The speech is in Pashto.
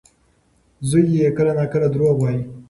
زوی یې کله ناکله دروغ وايي.